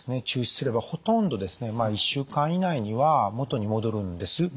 中止すればほとんどですね１週間以内には元に戻るんです。